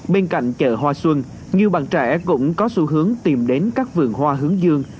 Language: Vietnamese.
bên cạnh chợ hoa xuân nhiều bạn trẻ cũng có xu hướng tìm đến các vườn hoa hướng dương